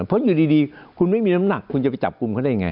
เพราะอยู่ดีคุณไม่มีน้ำหนักคุณจะไปจับกลุ่มเขาได้ยังไง